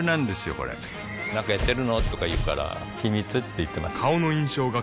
これなんかやってるの？とか言うから秘密って言ってます